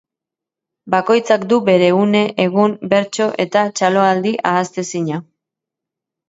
Bakoitzak du bere une, egun, bertso eta txaloaldi ahaztezina.